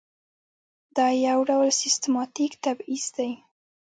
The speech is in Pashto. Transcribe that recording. دا یو ډول سیستماتیک تبعیض دی.